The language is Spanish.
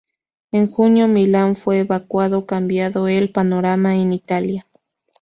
En junio Milán fue evacuado, cambiando el panorama en Italia.